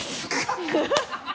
ハハハ